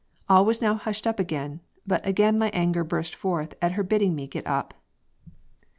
All was now hushed up again, but again my anger burst forth at her biding me get up."